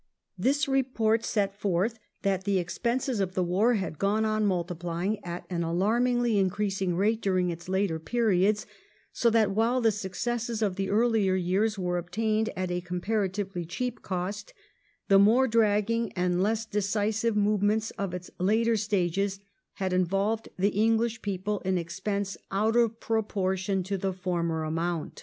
This report set forth that the expenses of the war had gone on multiplying at an alarmingly increasing rate during its later periods, so that while the successes of the earher years were obtained at a comparatively cheap cost, the more dragging and less decisive movements of its later stages had involved the English people in expense out of all proportion to the former amount.